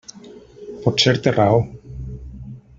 Potser té raó.